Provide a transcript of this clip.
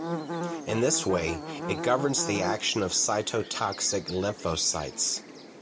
In this way, it governs the action of cytotoxic lymphocytes.